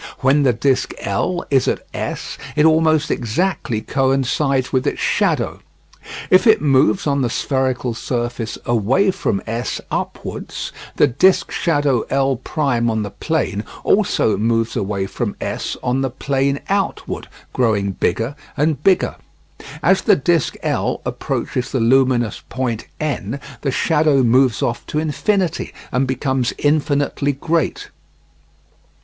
When the disc L is at S, it almost exactly coincides with its shadow. If it moves on the spherical surface away from S upwards, the disc shadow L' on the plane also moves away from S on the plane outwards, growing bigger and bigger. As the disc L approaches the luminous point N, the shadow moves off to infinity, and becomes infinitely great.